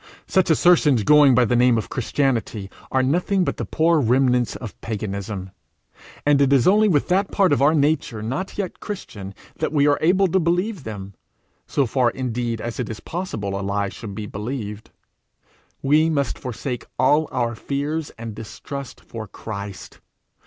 Such assertions going by the name of Christianity, are nothing but the poor remnants of paganism; and it is only with that part of our nature not yet Christian that we are able to believe them so far indeed as it is possible a lie should be believed. We must forsake all our fears and distrusts for Christ.